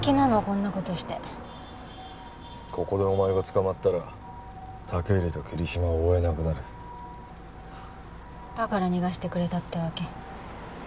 こんなことしてここでお前が捕まったら武入と桐島を追えなくなるだから逃がしてくれたってわけ？